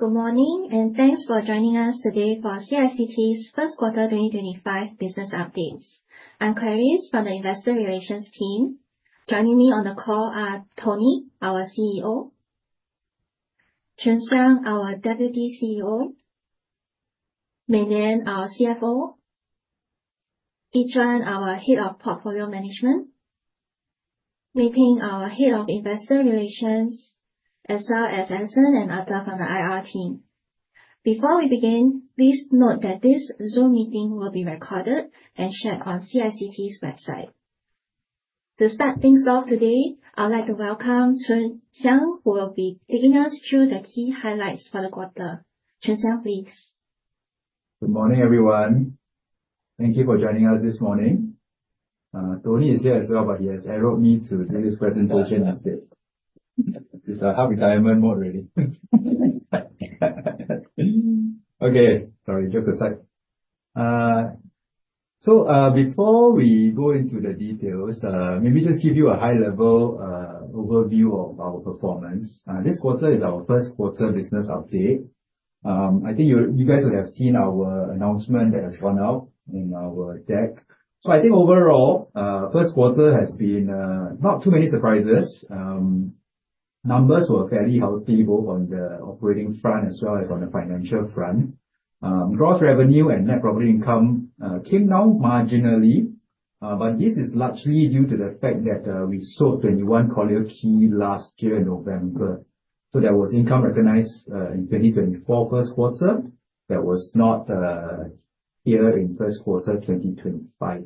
Good morning, thanks for joining us today for CICT's Q1 2025 Business Updates. I'm Clarice from the investor relations team. Joining me on the call are Tony, our CEO; Choon Siang, our deputy CEO; Wong Mei Lian, our CFO; Yi Zhuan Lee, our head of portfolio management; Ho Mei Peng, our head of investor relations; as well as Edison and Ada from the IR team. Before we begin, please note that this Zoom meeting will be recorded and shared on CICT's website. To start things off today, I'd like to welcome Choon Siang Tan, who will be taking us through the key highlights for the quarter. Choon Siang Tan, please. Good morning, everyone. Thank you for joining us this morning. Tony is here as well, he has arrowed me to do this presentation instead. He's a half retirement mode already. Okay, sorry. Just a sec. Before we go into the details, maybe just give you a high-level overview of our performance. This quarter is our Q1 business update. I think you guys would have seen our announcement that has gone out in our deck. I think overall, Q1 has been not too many surprises. Numbers were fairly healthy, both on the operating front as well as on the financial front. Gross revenue and NPI came down marginally, this is largely due to the fact that we sold 21 Collyer Quay last year in November. That was income recognized in 2024 Q1 that was not here in Q1 2025.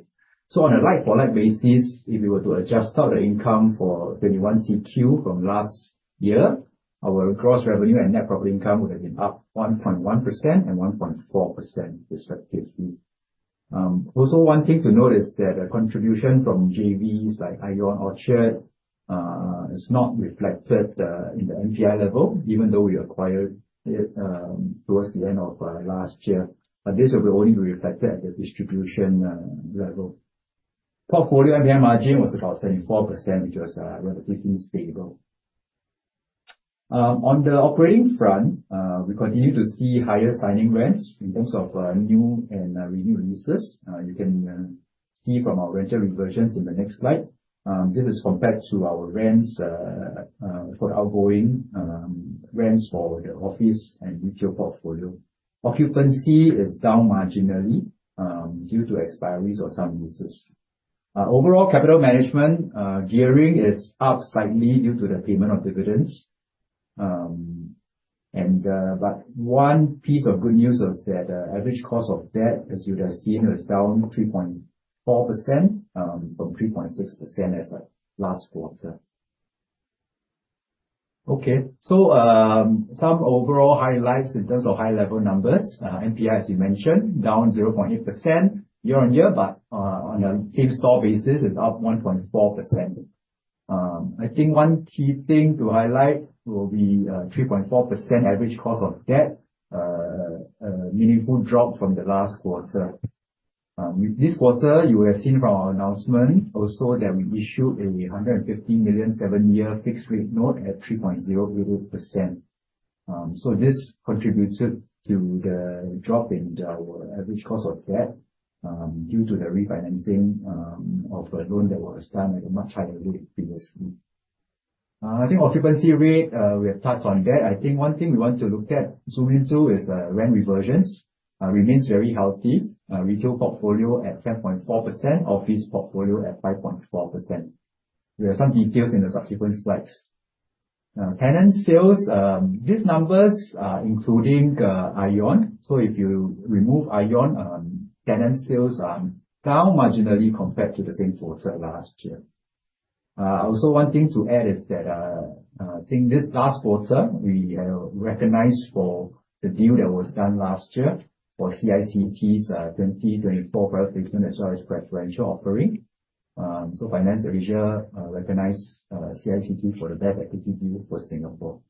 On a like-for-like basis, if we were to adjust out the income for 21 CQ from last year, our gross revenue and NPI would have been up 1.1% and 1.4% respectively. Also, one thing to note is that the contribution from JVs like ION Orchard is not reflected in the NPI level, even though we acquired it towards the end of last year. This will be only reflected at the distribution level. Portfolio NPI margin was about 74%, which was relatively stable. On the operating front, we continue to see higher signing rents in terms of new and renew leases. You can see from our rental reversions in the next slide. This is compared to our rents for outgoing rents for the office and retail portfolio. Occupancy is down marginally due to expiries of some leases. Overall capital management gearing is up slightly due to the payment of dividends. One piece of good news is that the average cost of debt, as you'd have seen, was down 3.4%, from 3.6% as of last quarter. Okay. Some overall highlights in terms of high-level numbers. NPI, as you mentioned, down 0.8% year-on-year, on a same-store basis, it's up 1.4%. I think one key thing to highlight will be 3.4% average cost of debt, a meaningful drop from the last quarter. With this quarter, you would have seen from our announcement also that we issued a 150 million seven-year fixed rate note at 3.08%. This contributed to the drop in our average cost of debt due to the refinancing of a loan that was done at a much higher rate previously. I think occupancy rate, we have touched on that. I think one thing we want to look at, zoom into is rent reversions. Remains very healthy. Retail portfolio at 10.4%, office portfolio at 5.4%. There are some details in the subsequent slides. Tenant sales, these numbers are including ION. If you remove ION, tenant sales are down marginally compared to the same quarter last year. Also, one thing to add is that I think this last quarter, we recognized for the deal that was done last year for CICT's 2024 private placement as well as preferential offering. FinanceAsia recognized CICT for the best equity deal for Singapore.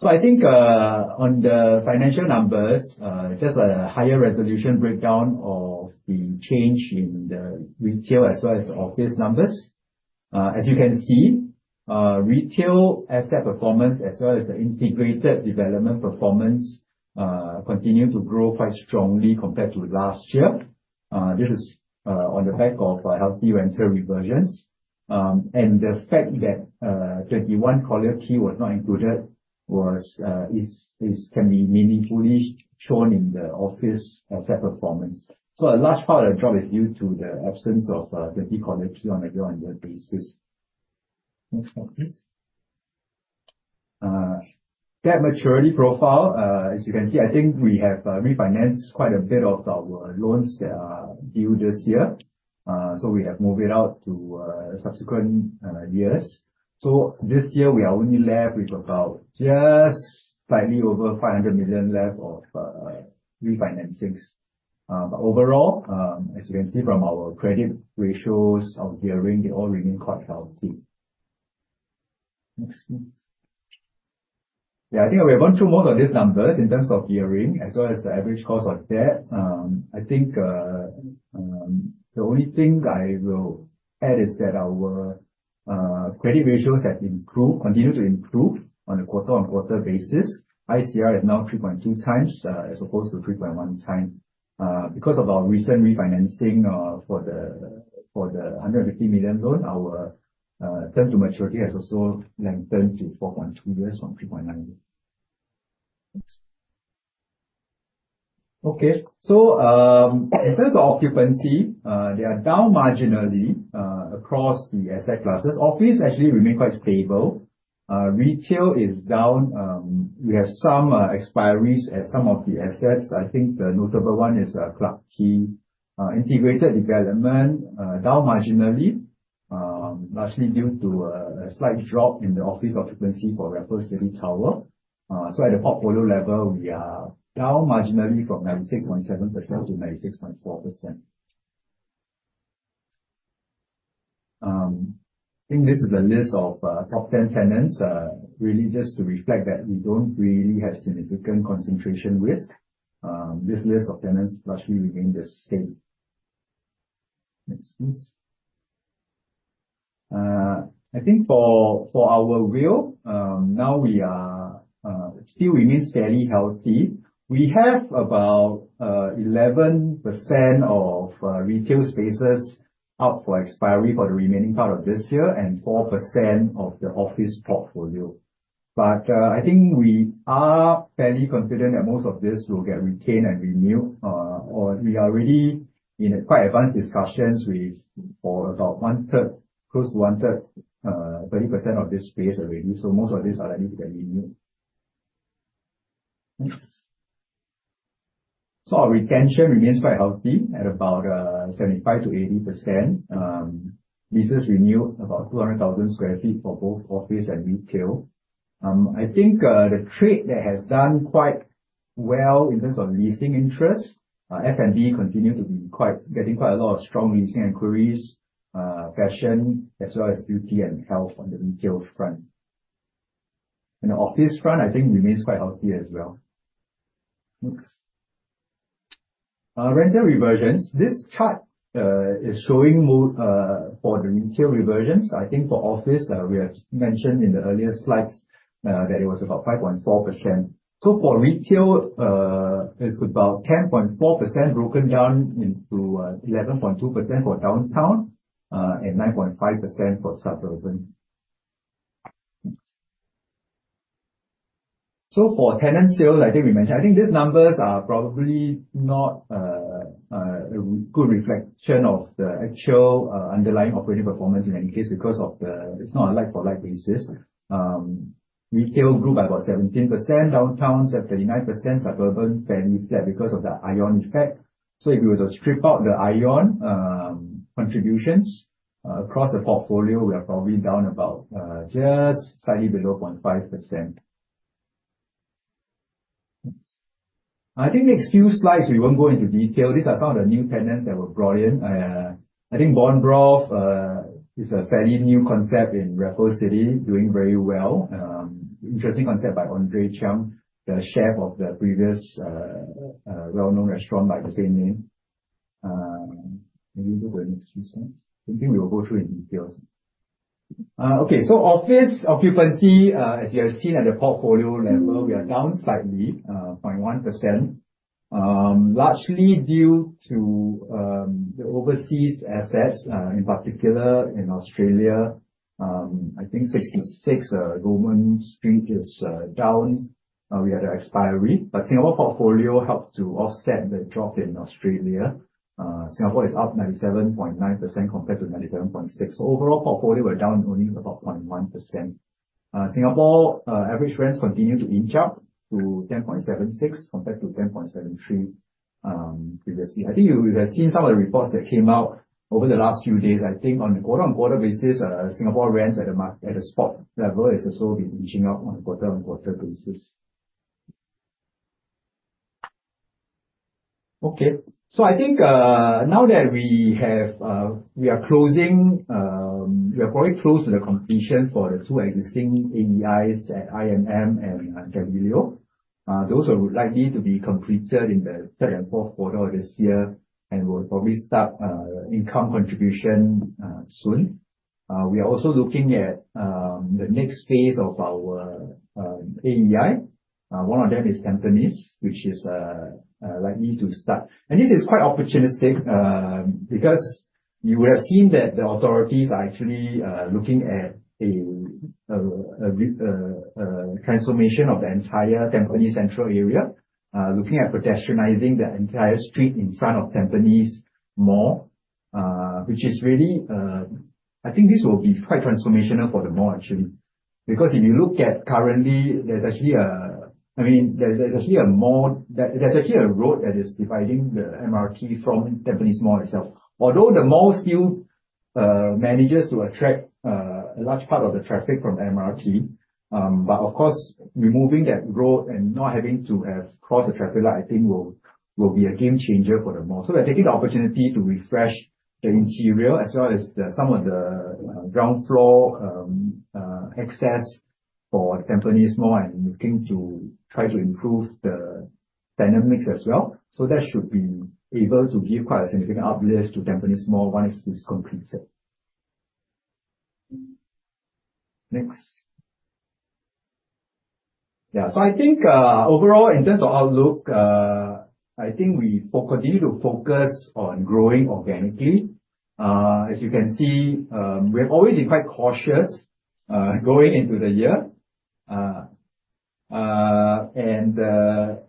Okay. I think on the financial numbers, just a higher resolution breakdown of the change in the retail as well as the office numbers. As you can see, retail asset performance as well as the integrated development performance continue to grow quite strongly compared to last year. This is on the back of healthy rental reversions. The fact that 21 Collyer Quay was not included can be meaningfully shown in the office asset performance. A large part of the drop is due to the absence of 21 Collyer Quay on a year-on-year basis. Next slide, please. Debt maturity profile. As you can see, I think we have refinanced quite a bit of our loans that are due this year. We have moved it out to subsequent years. This year we are only left with about just slightly over 500 million left of refinancings. But overall, as you can see from our credit ratios, our gearing, they all remain quite healthy. Next, please. I think we have gone through most of these numbers in terms of gearing as well as the average cost of debt. I think the only thing I will add is that our credit ratios have continued to improve on a quarter-on-quarter basis. ICR is now 3.2 times as opposed to 3.1 times. Because of our recent refinancing for the 150 million loan, our term to maturity has also lengthened to 4.2 years from 3.9 years. Next. Okay. In terms of occupancy, they are down marginally across the asset classes. Office actually remain quite stable. Retail is down. We have some expiries at some of the assets. I think the notable one is Clarke Quay. Integrated development, down marginally, largely due to a slight drop in the office occupancy for Raffles City Tower. So at the portfolio level, we are down marginally from 96.7% to 96.4%. I think this is a list of top 10 tenants, really just to reflect that we don't really have significant concentration risk. This list of tenants largely remain the same. Next, please. I think for our WALE, now we still remain fairly healthy. We have about 11% of retail spaces up for expiry for the remaining part of this year and 4% of the office portfolio. But I think we are fairly confident that most of this will get retained and renewed, or we are already in quite advanced discussions with for about close to one-third, 30% of this space already. So most of these are likely to get renewed. Next. So our retention remains quite healthy at about 75%-80%. Leases renewed about 200,000 square feet for both office and retail. I think the trade there has done quite well in terms of leasing interest. F&B continue to be getting quite a lot of strong leasing inquiries, fashion, as well as beauty and health on the retail front. The office front remains quite healthy as well. Rental reversions. This chart is showing more for the retail reversions. For office, we have mentioned in the earlier slides that it was about 5.4%. For retail, it's about 10.4% broken down into 11.2% for downtown, and 9.5% for suburban. For tenant sales, we mentioned. These numbers are probably not a good reflection of the actual underlying operating performance in any case because it's not a like for like basis. Retail group, about 17%, downtown 39%, suburban fairly flat because of the ION effect. If you were to strip out the ION contributions across the portfolio, we are probably down about just slightly below 0.5%. The next few slides, we won't go into detail. These are some of the new tenants that were brought in. Bonrov is a fairly new concept in Raffles City, doing very well. Interesting concept by André Chiang, the chef of the previous well-known restaurant by the same name. Can you go to the next few slides? We will go through in details. Office occupancy, as you have seen at the portfolio level, we are down slightly, 0.1%, largely due to the overseas assets, in particular in Australia. 66 Goulburn Street is down. We had an expiry. Singapore portfolio helped to offset the drop in Australia. Singapore is up 97.9% compared to 97.6. Overall portfolio, we're down only about 0.1%. Singapore average rents continue to inch up to 10.76 compared to 10.73 previously. You have seen some of the reports that came out over the last few days. On a quarter-on-quarter basis, Singapore rents at the spot level has also been inching up on a quarter-on-quarter basis. Now that we are probably close to the completion for the two existing AEIs at IMM and Gambir Hill. Those are likely to be completed in the third and fourth quarter of this year and will probably start income contribution soon. We are also looking at the next phase of our AEI. One of them is Tampines, which is likely to start. This is quite opportunistic, because you would have seen that the authorities are actually looking at a transformation of the entire Tampines central area. Looking at pedestrianizing the entire street in front of Tampines Mall, which this will be quite transformational for the mall, actually. If you look at currently, there's actually a road that is dividing the MRT from Tampines Mall itself. Although the mall still manages to attract a large part of the traffic from the MRT, removing that road and not having to have cross a traffic light will be a game changer for the mall. We're taking the opportunity to refresh the interior as well as some of the ground floor access for Tampines Mall, and looking to try to improve the dynamics as well. That should be able to give quite a significant uplift to Tampines Mall once it's completed. Overall, in terms of outlook, we continue to focus on growing organically. As you can see, we've always been quite cautious going into the year. The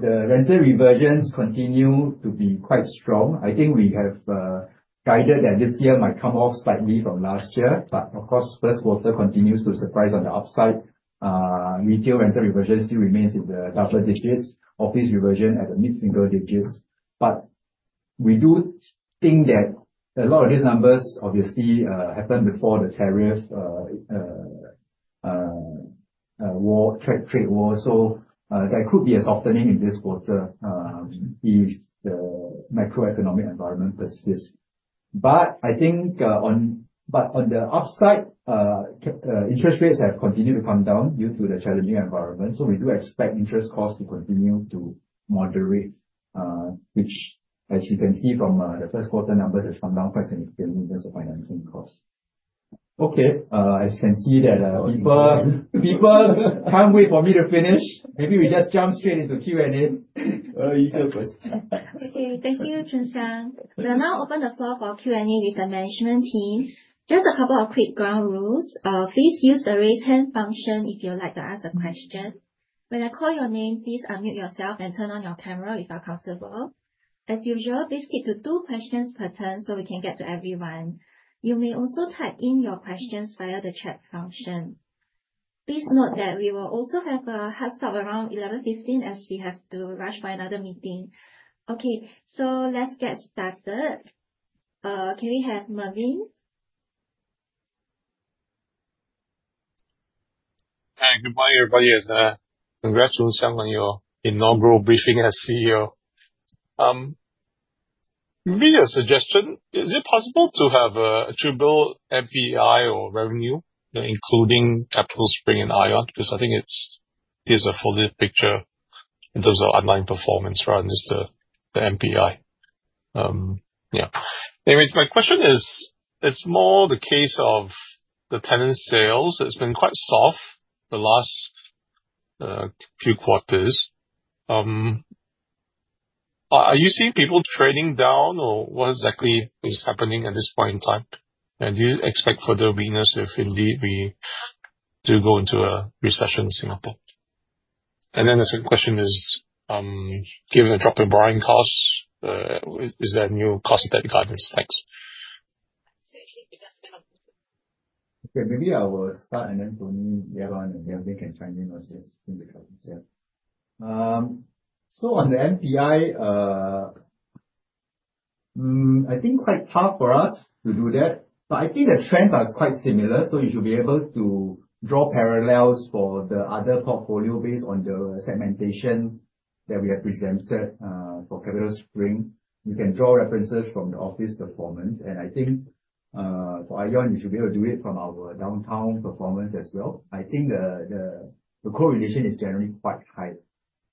rental reversions continue to be quite strong. I think we have guided that this year might come off slightly from last year. Of course, Q1 continues to surprise on the upside. Retail rental reversion still remains in the double digits, office reversion at the mid-single digits. We do think that a lot of these numbers, obviously, happened before the tariff trade war. There could be a softening in this quarter, if the macroeconomic environment persists. On the upside, interest rates have continued to come down due to the challenging environment. We do expect interest costs to continue to moderate, which, as you can see from the Q1 numbers, has come down quite significantly in terms of financing costs. Okay. As you can see that people can't wait for me to finish. Maybe we just jump straight into Q&A. You go first. Okay. Thank you, Choon Siang. We'll now open the floor for Q&A with the management team. Just a couple of quick ground rules. Please use the raise hand function if you'd like to ask a question. When I call your name, please unmute yourself and turn on your camera if you are comfortable. As usual, please keep it to two questions per turn so we can get to everyone. You may also type in your questions via the chat function. Please note that we will also have a hard stop around 11:15 A.M., as we have to rush for another meeting. Okay, let's get started. Can we have Mervin? Hi. Goodbye, everybody. Congrats, Choon Siang, on your inaugural briefing as CEO. Maybe a suggestion, is it possible to have attributable NPI or revenue, including CapitaSpring and ION? I think it gives a fuller picture in terms of underlying performance rather than just the NPI. Yeah. Anyways, my question is, it's more the case of the tenant sales has been quite soft the last few quarters. Are you seeing people trading down, or what exactly is happening at this point in time? Do you expect further weakness if indeed we do go into a recession in Singapore? The second question is, given the drop in borrowing costs, is that a new cost-cutting guidance next? Okay. Maybe I will start. Tony, the other one, they can chime in as yes. Since they can. Yeah. On the NPI, I think quite tough for us to do that. I think the trends are quite similar, you should be able to draw parallels for the other portfolio based on the segmentation that we have presented for CapitaSpring. We can draw references from the office performance. I think for ION, you should be able to do it from our downtown performance as well. I think the correlation is generally quite high.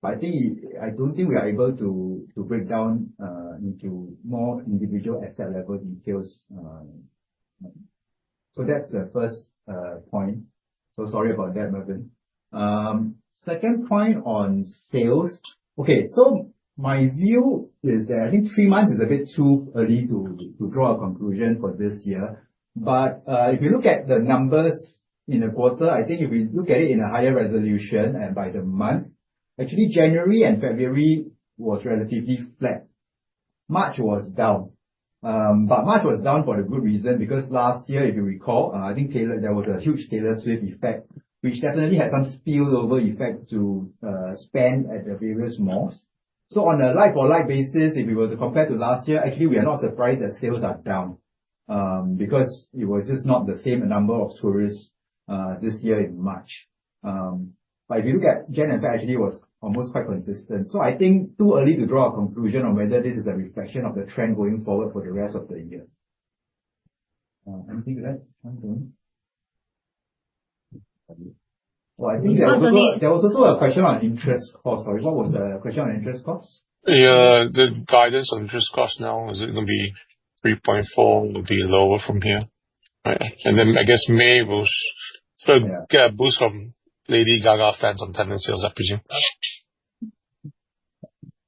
I don't think we are able to break down into more individual asset-level details. That's the first point. Sorry about that, Mervin. Second point on sales. My view is that I think three months is a bit too early to draw a conclusion for this year. If you look at the numbers in the quarter, I think if we look at it in a higher resolution and by the month, actually January and February was relatively flat. March was down. March was down for a good reason, because last year, if you recall, I think there was a huge Taylor Swift effect, which definitely had some spillover effect to spend at the various malls. On a like-for-like basis, if we were to compare to last year, actually we are not surprised that sales are down because it was just not the same number of tourists this year in March. If you look at Jan and Feb, actually it was almost quite consistent. I think too early to draw a conclusion on whether this is a reflection of the trend going forward for the rest of the year. Anything to that, Chun Ling? I think there was also a question on interest cost. Sorry, what was the question on interest cost? The guidance on interest cost now, is it going to be 3.4%? Will it be lower from here? I guess May will still get a boost from Lady Gaga fans on tenant sales, I presume.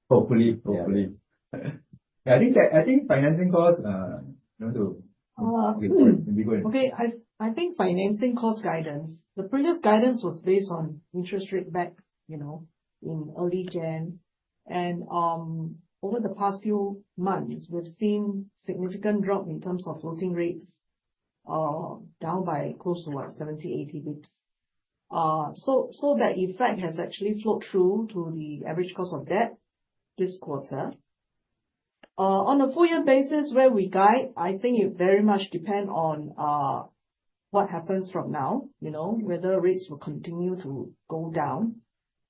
Hopefully. Yeah. I think financing cost, you want to. Oh. You go ahead. Okay. I think financing cost guidance, the previous guidance was based on interest rate back in early January. Over the past few months, we've seen significant drop in terms of floating rates, down by close to what? 70, 80 basis points. That effect has actually flowed through to the average cost of debt this quarter. On a full year basis where we guide, I think it very much depend on. What happens from now, whether rates will continue to go down,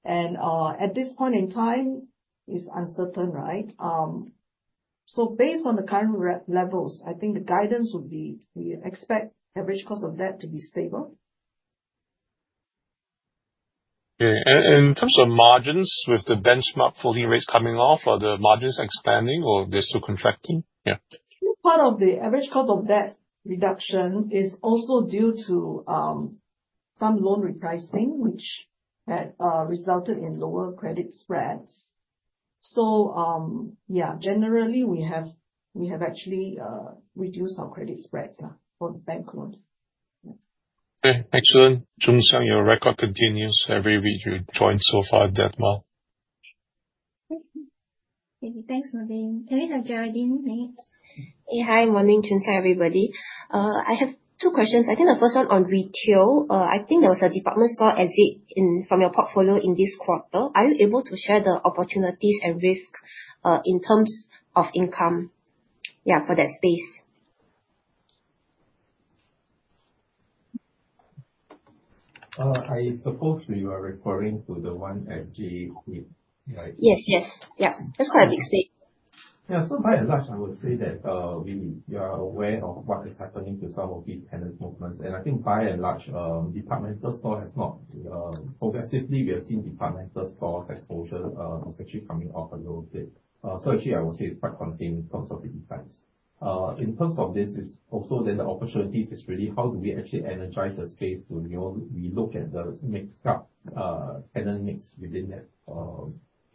at this point in time, it's uncertain, right? Based on the current levels, I think the guidance would be, we expect average cost of debt to be stable. Okay. In terms of margins, with the benchmark fully rates coming off, are the margins expanding or they're still contracting? Yeah. I think part of the average cost of debt reduction is also due to some loan repricing, which had resulted in lower credit spreads. Yeah, generally we have actually reduced our credit spreads for bank loans. Okay, excellent. Choon Siang, your record continues. Every week you join so far that mark. Okay. Thanks, Mervin. Can we have Geraldine next? Yeah. Hi, good morning, Choon Siang, everybody. I have two questions. I think the first one on retail. I think there was a department store exit from your portfolio in this quarter. Are you able to share the opportunities and risk in terms of income for that space? I suppose you are referring to the one at JCube. Yes, that's quite a big space. Yeah, by and large, I would say that, we are aware of what is happening to some of these tenant movements, and I think by and large, department store. Progressively, we have seen department store exposure is actually coming off a little bit. Actually, I would say it's quite contained in terms of the defense. In terms of this is also then the opportunities is really how do we actually energize the space to relook at the mixed up tenant mix within that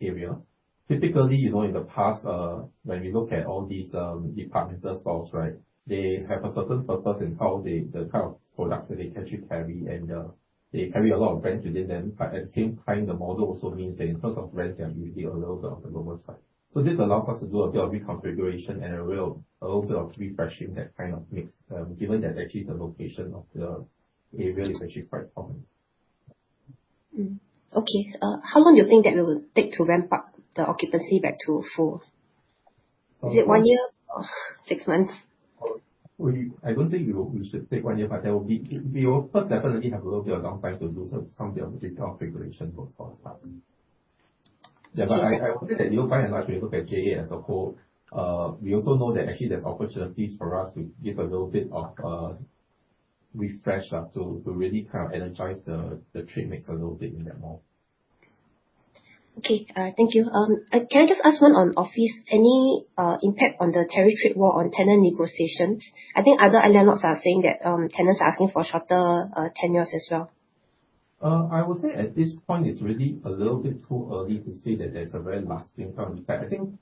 area. Typically, in the past, when we look at all these departmental stores, they have a certain purpose in the kind of products that they actually carry, and they carry a lot of brands within them. At the same time, the model also means that in terms of rents, they can be a little bit on the lower side. This allows us to do a bit of reconfiguration and a little bit of refreshing that kind of mix, given that actually the location of the area is actually quite prominent. Okay. How long do you think that it will take to ramp up the occupancy back to full? Is it one year or six months? Well, I don't think it should take one year. We will first definitely have a little bit of downtime to do some bit of reconfiguration for a start. Yeah, I hope that by and large, we look at JA as a whole. We also know that actually there's opportunities for us to give a little bit of refresh there to really energize the trade mix a little bit in that mall. Okay, thank you. Can I just ask one on office? Any impact on the tariff trade war on tenant negotiations? I think other analysts are saying that tenants are asking for shorter tenures as well. I would say at this point, it's really a little bit too early to say that there's a very lasting kind of effect. I think,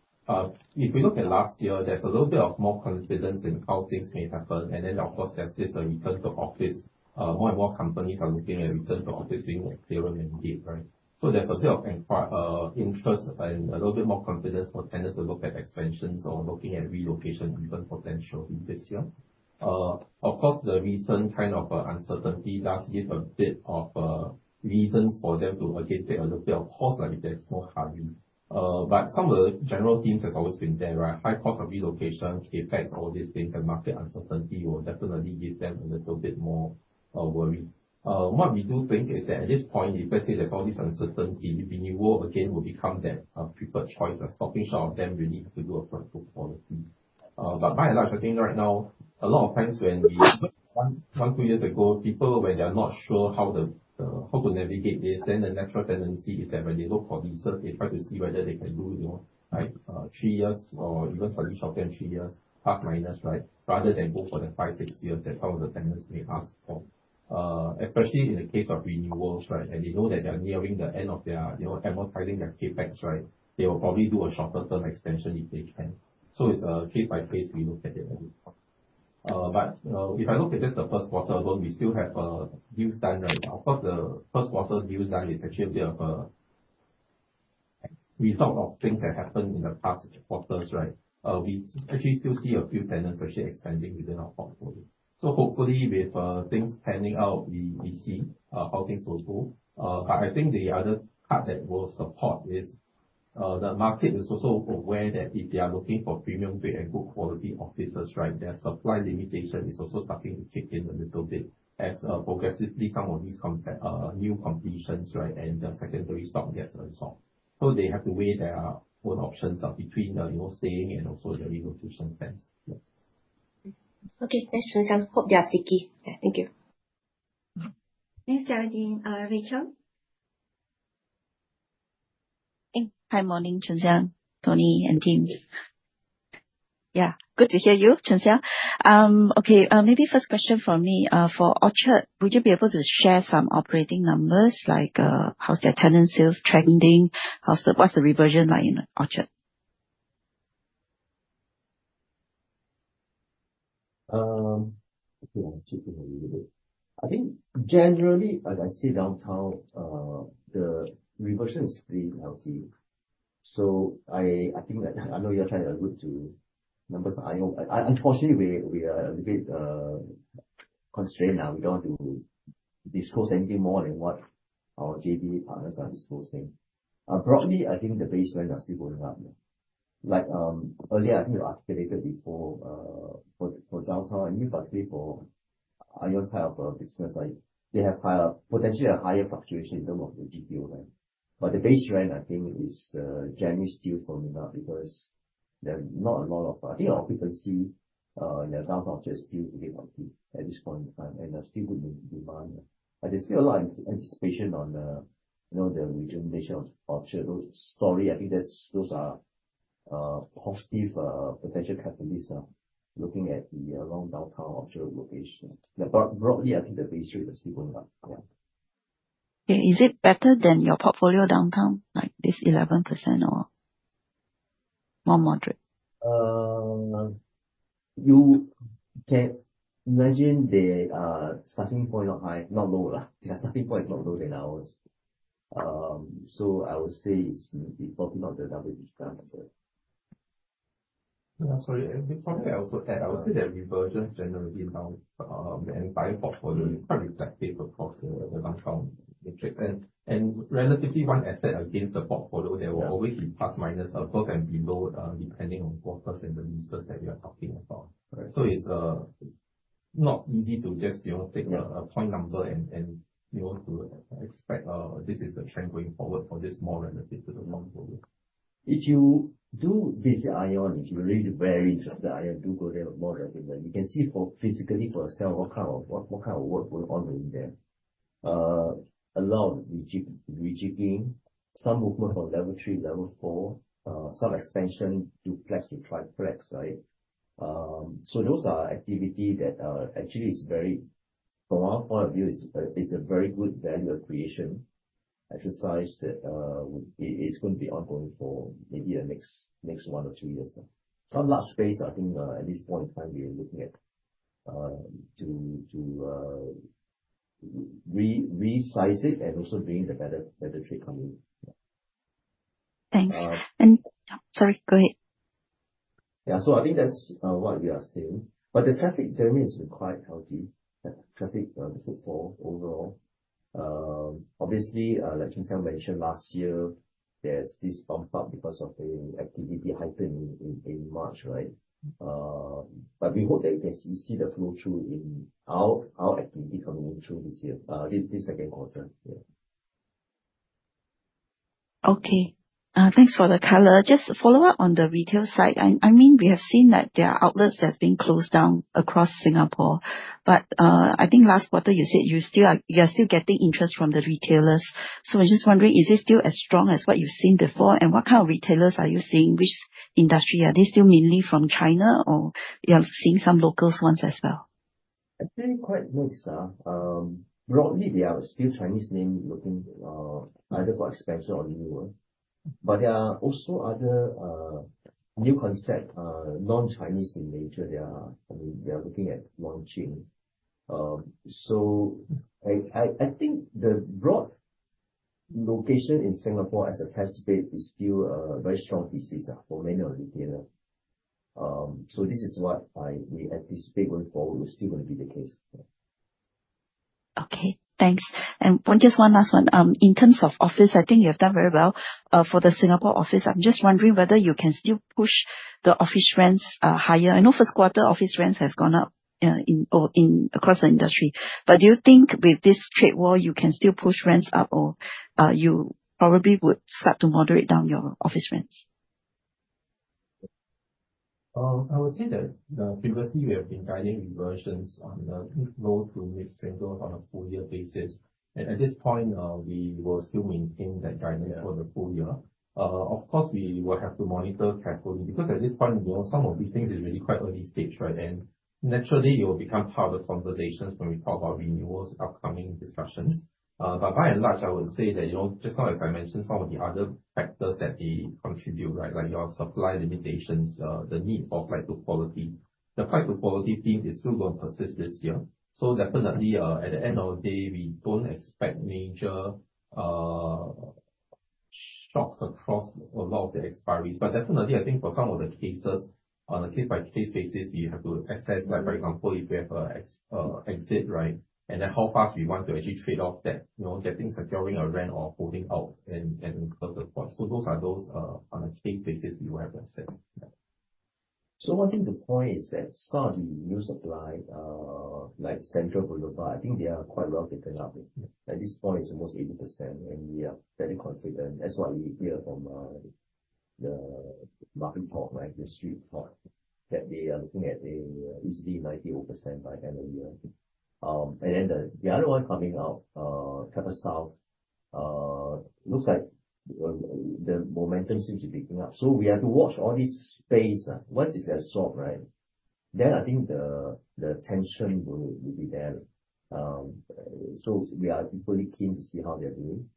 if we look at last year, there's a little bit of more confidence in how things may happen. Of course, there's this return to office. More and more companies are looking at return to office being a clearer mandate, right? There's a bit of interest and a little bit more confidence for tenants to look at expansions or looking at relocation even potentially this year. Of course, the recent uncertainty does give a bit of reasons for them to again take a little bit of pause, like there's no hurry. Some of the general themes has always been there. High cost of relocation, CapEx, all these things, and market uncertainty will definitely give them a little bit more worry. What we do think is that at this point, if let's say there's all this uncertainty, renewal again will become their preferred choice, stopping short of them really to do a front-foot policy. By and large, I think right now, a lot of times when we one, two years ago, people when they are not sure how to navigate this, then the natural tendency is that when they look for lease, they try to see whether they can do three years or even slightly shorter than three years, plus minus, rather than go for the five, six years that some of the tenants may ask for. Especially in the case of renewals, and they know that they're nearing the end of their amortizing their CapEx. They will probably do a shorter-term extension if they can. It's a case-by-case we look at it at this point. If I look at just the Q1 alone, we still have deals done right now. Of course, the Q1 deals done is actually a bit of a result of things that happened in the past quarters. We actually still see a few tenants actually expanding within our portfolio. Hopefully, with things panning out, we see how things will go. I think the other part that will support is the market is also aware that if they are looking for premium bid and good quality offices, their supply limitation is also starting to kick in a little bit as progressively some of these new completions and the secondary stock there are sold. They have to weigh their own options between the staying and also the relocation plans. Okay. Thanks, Choon Siang. Hope they are sticky. Yeah, thank you. Thanks, Geraldine. Rachel? Hi morning, Choon Siang, Tony, and team. Yeah, good to hear you, Choon Siang. Okay, maybe first question from me, for Orchard, would you be able to share some operating numbers like how's their tenant sales trending? What's the reversion like in Orchard? Okay. I have to think a little bit. I think generally, as I see downtown, the reversion is pretty healthy. I know you're trying to allude to numbers. Unfortunately, we are a bit constrained now. We don't want to disclose anything more than what our JV partners are disclosing. Broadly, I think the base rent are still going up. Earlier, I think you articulated before for downtown, particularly for ION type of business, they have potentially a higher fluctuation in terms of the GTO rent. The base rent, I think, is generally still firming up because there are not a lot of occupancy in the downtown just due to VIP at this point in time, and there's still good demand. There's still a lot of anticipation on the regional nature of the story. I think those are positive potential catalysts looking at the long downtown offshore location. Broadly, I think the base rate is still going up. Okay. Is it better than your portfolio downtown, this 11% or more moderate? You can imagine their starting point is not low. Their starting point is not lower than ours. I would say it's probably not the average. Sorry. If I may also add, I would say that reversion generally around the entire portfolio is quite reflective across the downtown matrix, and relatively one asset against the portfolio that will always be plus minus above and below, depending on quarters and the leases that we are talking about. Right. It's not easy to just take a point number and to expect this is the trend going forward for this small relative to the whole portfolio. If you do visit ION, if you're really very interested in ION, do go there more regularly. You can see physically for yourself what kind of work is going on there. A lot of rejigging. Some movement from level 3 to level 4. Some expansion, duplex to triplex. Those are activities that actually, from our point of view, is a very good value creation exercise that is going to be ongoing for maybe the next one to two years. Some large space, I think, at this point in time, we are looking at to resize it and also bring the better trade coming in. Thanks. Sorry, go ahead. Yeah. I think that's what we are seeing. The traffic generally has been quite healthy. The traffic footfall overall. Obviously, like Choon Siang mentioned last year, there's this bump up because of the activity heightening in March, right? We hope that we can still see the flow through in our activity coming through this second quarter. Yeah. Okay. Thanks for the color. Just a follow-up on the retail side. We have seen that there are outlets that have been closed down across Singapore. I think last quarter you said you are still getting interest from the retailers. I'm just wondering, is it still as strong as what you've seen before? What kind of retailers are you seeing? Which industry? Are they still mainly from China or you are seeing some local ones as well? Actually, quite mixed. Broadly, there are still Chinese names looking either for expansion or renewal. There are also other new concepts, non-Chinese in nature, they are looking at launching. I think the broad location in Singapore as a test bed is still a very strong thesis for many of the retailers. This is what we anticipate going forward will still going to be the case. Okay, thanks. Just one last one. In terms of office, I think you have done very well for the Singapore office. I'm just wondering whether you can still push the office rents higher. I know Q1 office rents has gone up across the industry. Do you think with this trade war, you can still push rents up or you probably would start to moderate down your office rents? I would say that previously we have been guiding reversions on the low to mid-single on a full year basis. At this point, we will still maintain that guidance for the full year. Of course, we will have to monitor carefully, because at this point, some of these things are really quite early stage, right? Naturally, it will become part of the conversations when we talk about renewals, upcoming discussions. By and large, I would say that, just now as I mentioned, some of the other factors that contribute, like your supply limitations, the need for flight to quality. The flight to quality theme is still going to persist this year. Definitely, at the end of the day, we don't expect major shocks across a lot of the expiries. Definitely, I think for some of the cases, on a case-by-case basis, we have to assess, for example, if we have an exit. How fast we want to actually trade off that, getting securing a rent or holding out and further the point. Those are those on a case basis we will have to assess. I think the point is that some of the new supply, like Central Boulevard Towers, I think they are quite well taken up. At this point it's almost 80%, and we are very confident, as what we hear from the market talk, the street talk, that they are looking at easily 90% odd by end of the year. The other one coming up, CapitaSouth, looks like the momentum seems to be picking up. We have to watch all this space. Once it's absorbed, then I think the tension will be there. We are equally keen to see how they're doing.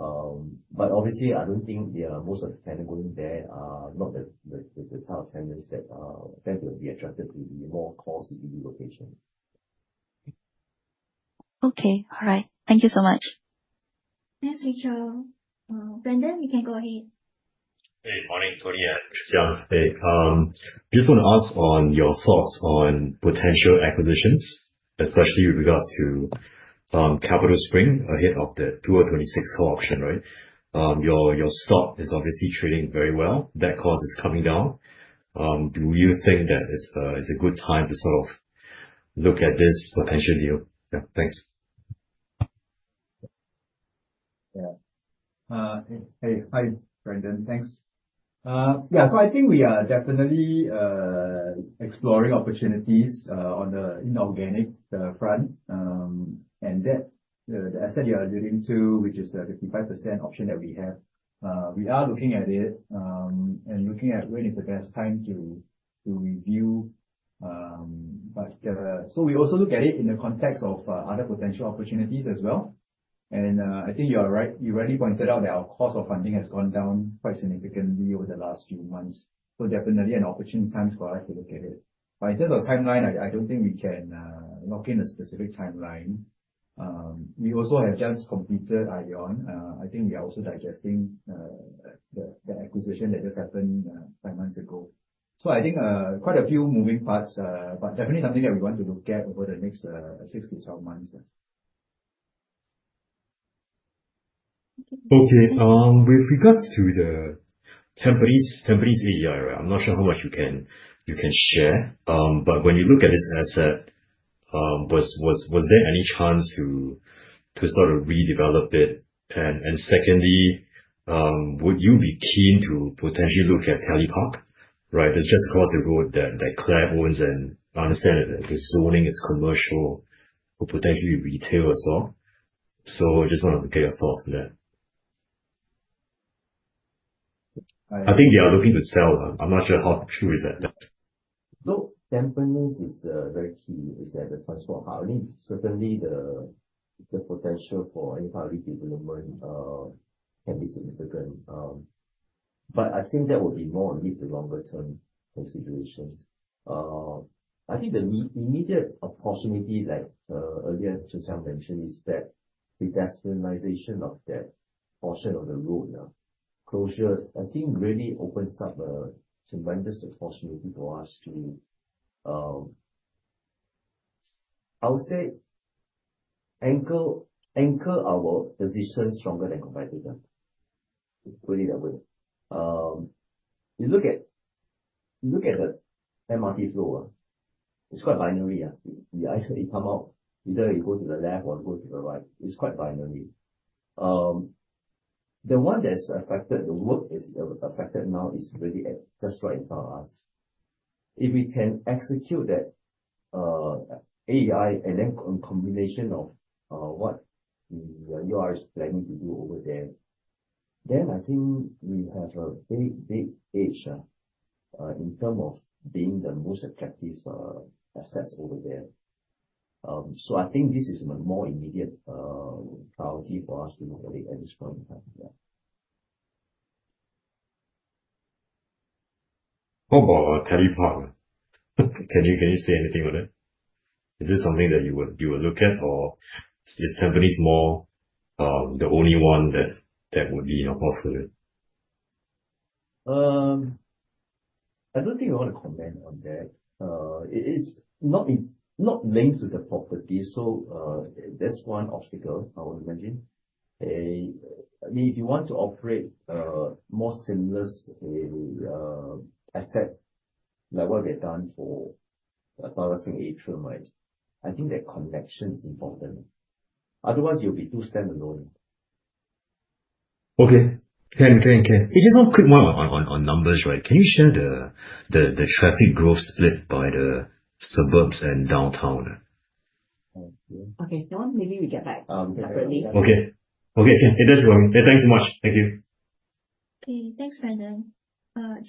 Obviously, I don't think most of the tenants going there are not the type of tenants that will be attracted to the more core CBD location. Okay. All right. Thank you so much. Thanks, Rachel. Brandon, you can go ahead. Good morning, Tony and Choon Siang. Just want to ask on your thoughts on potential acquisitions. Especially with regards to CapitalSpring ahead of the 2026 call option, right? Your stock is obviously trading very well. That cost is coming down. Do you think that it is a good time to look at this potential deal? Thanks. Hi, Brandon. Thanks. I think we are definitely exploring opportunities on the inorganic front. The asset you are alluding to, which is the 55% option that we have, we are looking at it, and looking at when is the best time to review. We also look at it in the context of other potential opportunities as well. I think you rightly pointed out that our cost of funding has gone down quite significantly over the last few months. Definitely an opportune time for us to look at it. In terms of timeline, I don't think we can lock in a specific timeline. We also have just completed Ion. I think we are also digesting the acquisition that just happened five months ago. I think, quite a few moving parts, but definitely something that we want to look at over the next six to 12 months. Okay. With regards to the Tampines AEI, I'm not sure how much you can share. When you look at this asset, was there any chance to redevelop it? Secondly, would you be keen to potentially look at Keppel Park? Right. That's just across the road that CLI owns and I understand that the zoning is commercial for potentially retail as well. I just wanted to get your thoughts on that. I think they are looking to sell. I'm not sure how true is that though. Look, Tampines is very key, is the transport hub. Certainly, the potential for any public development can be significant. I think that would be more indeed the longer-term consideration. I think the immediate opportunity, like earlier Choon Siang mentioned, is that the destinalization of that portion of the road closure, I think really opens up a tremendous opportunity for us to, I would say, anchor our position stronger than competitors. Put it that way. You look at the MRT flow. It's quite binary. You come out, either you go to the left or go to the right. It's quite binary. The one that's affected, the work is affected now is really just right in front of us. If we can execute that AEI and then combination of what URA is planning to do over there, then I think we have a big, big edge in terms of being the most attractive assets over there. I think this is a more immediate priority for us to look at this point in time. Yeah. How about Keppel Park? Can you say anything on that? Is this something that you would look at or is Tampines Mall the only one that would be an option? I don't think we want to comment on that. It is not linked to the property. That's one obstacle I would imagine. If you want to operate a more seamless asset, like what they've done for Tampines 1, I think that connection is important. Otherwise, you'll be too standalone. Okay. Can. Just one quick one on numbers, right. Can you share the traffic growth split by the suburbs and downtown? Okay. That one maybe we get back separately. Okay. That's fine. Thanks so much. Thank you. Okay. Thanks, Brandon.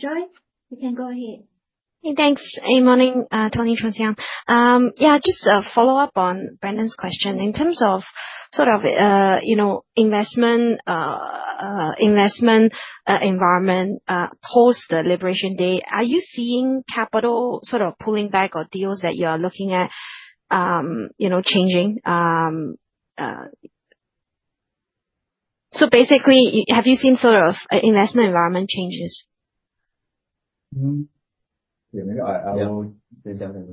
Joy, you can go ahead. Hey, thanks. Good morning, Tony and Choon Siang. Yeah, just a follow-up on Brandon's question. In terms of investment environment, post National Day, are you seeing capital pulling back or deals that you're looking at changing? Basically, have you seen investment environment changes? Yeah. Maybe I'll. To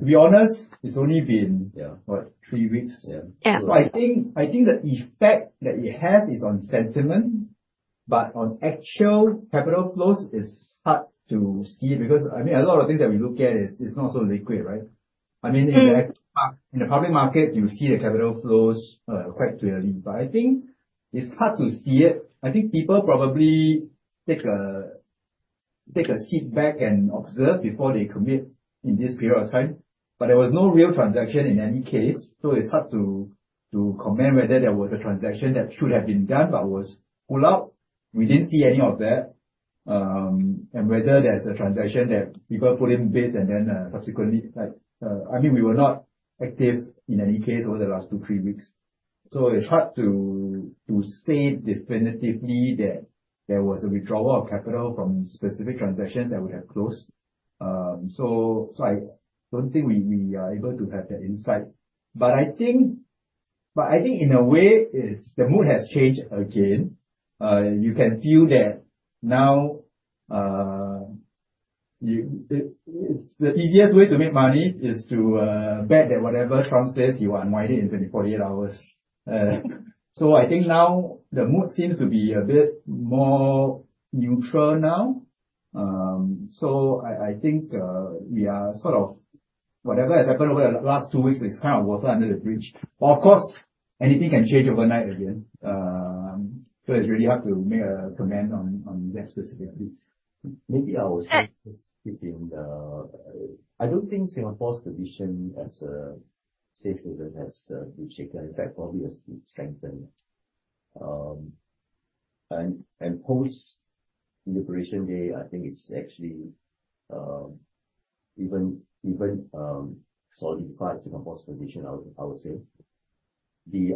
be honest, it's only been. Yeah. What? Three weeks. Yeah. I think the effect that it has is on sentiment, but on actual capital flows is hard to see because a lot of things that we look at is not so liquid, right? In the public market, you see the capital flows quite clearly, I think it's hard to see it. I think people probably take a seat back and observe before they commit in this period of time. There was no real transaction in any case, it's hard to comment whether there was a transaction that should have been done but was pulled out. We didn't see any of that. Whether there's a transaction that people put in bids and then subsequently We were not active in any case over the last two, three weeks. It's hard to say definitively that there was a withdrawal of capital from specific transactions that would have closed. I don't think we are able to have that insight. I think in a way, the mood has changed again. You can feel that now. The easiest way to make money is to bet that whatever Trump says, he will unwind it within 48 hours. I think now the mood seems to be a bit more neutral now. I think whatever has happened over the last two weeks is kind of water under the bridge. Of course, anything can change overnight again. It's really hard to make a comment on that specifically. Maybe I will say this. I don't think Singapore's position as a safe haven has been shaken. In fact, probably has been strengthened. Post-National Day, I think it's actually even solidified Singapore's position, I would say. The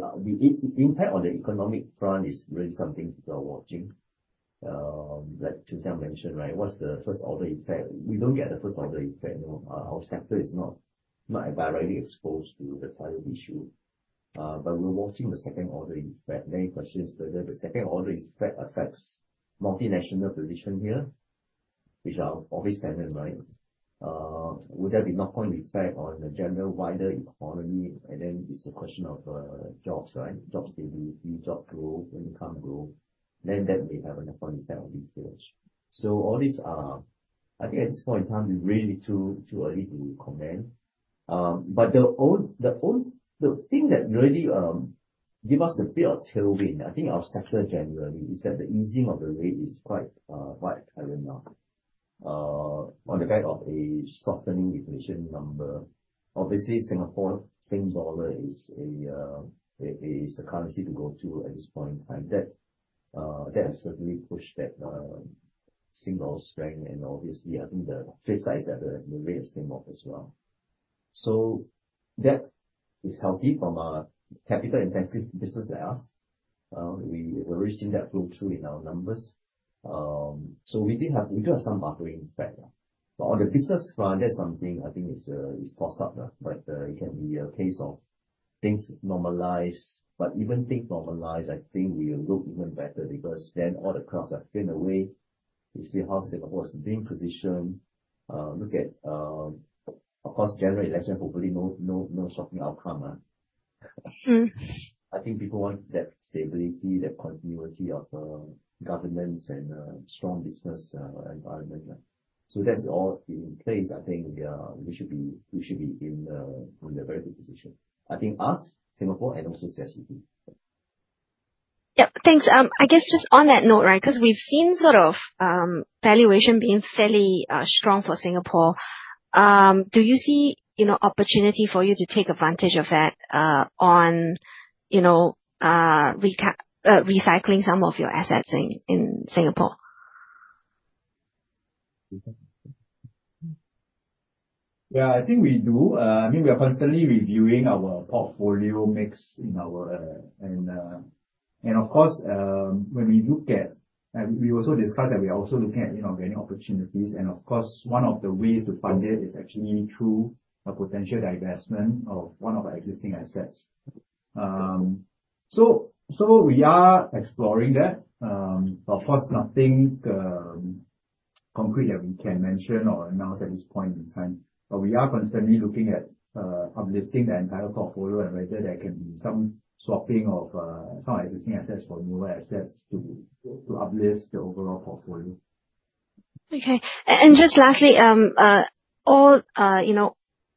impact on the economic front is really something people are watching. Like Chun Siang mentioned, right? What's the 1st-order effect? We don't get the 1st-order effect. Our sector is not directly exposed to the trade issue. We're watching the 2nd-order effect. The main question is whether the 2nd-order effect affects multinational position here, which are always tenant, right? Would there be knock-on effect on the general wider economy? Then it's a question of jobs, right? Job stability, job growth, income growth, then that may have a knock-on effect on retail. All these are, I think at this point in time, it's really too early to comment. The thing that really give us a bit of tailwind, I think our sector generally, is that the easing of the rate is quite apparent now on the back of a softening inflation number. Obviously, Singapore, SGD is a currency to go to at this point in time. That has certainly pushed that SGD strength and obviously, I think the trade side that the rate has came off as well. That is healthy from a capital-intensive business like us. We're already seeing that flow through in our numbers. We do have some buffering effect. On the business front, that's something I think is tossed up. It can be a case of things normalize. Even things normalize, I think we will look even better because then all the clouds have been away. You see how Singapore is being positioned. Of course, general election, hopefully no shocking outcome. Sure. I think people want that stability, that continuity of governance and a strong business environment. That's all in place. I think we should be in a very good position. I think us, Singapore, and also CICT. Yes. Thanks. I guess just on that note, right? We've seen valuation being fairly strong for Singapore. Do you see opportunity for you to take advantage of that on recycling some of your assets in Singapore? Yeah, I think we do. We are constantly reviewing our portfolio mix. We also discussed that we are also looking at inorganic opportunities, and of course, one of the ways to fund it is actually through a potential divestment of one of our existing assets. We are exploring that. Of course, nothing concrete that we can mention or announce at this point in time, but we are constantly looking at uplisting the entire portfolio and whether there can be some swapping of some existing assets for newer assets to uplist the overall portfolio. Okay. Just lastly,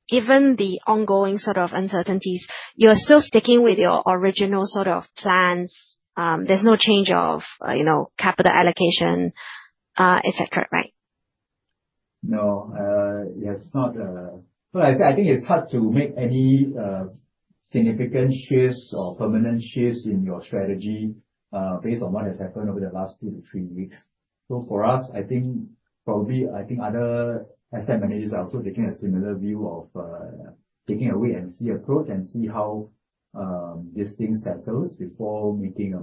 given the ongoing uncertainties, you're still sticking with your original plans. There's no change of capital allocation, et cetera, right? No. I think it is hard to make any significant shifts or permanent shifts in your strategy based on what has happened over the last two to three weeks. For us, I think probably other asset managers are also taking a similar view of taking a wait-and-see approach and see how this thing settles before going